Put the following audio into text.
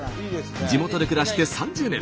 地元で暮らして３０年。